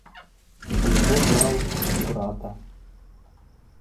У яго браў, у брата.